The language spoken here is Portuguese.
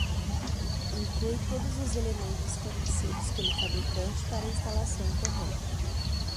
Inclui todos os elementos fornecidos pelo fabricante para a instalação correta.